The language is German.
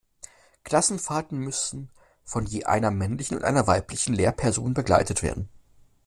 Klassenfahrten müssen von je einer männlichen und einer weiblichen Lehrperson begleitet werden.